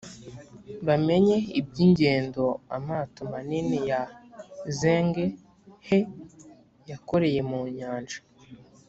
bamenye iby ingendo amato manini ya zheng he yakoreye mu nyanja